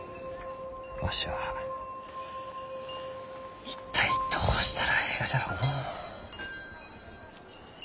わしは一体どうしたらえいがじゃろうのう？